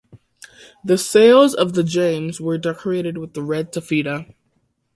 The sails of the "James" were decorated with red taffeta.